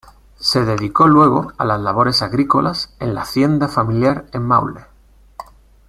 Se dedicó luego a las labores agrícolas en la hacienda familiar en Maule.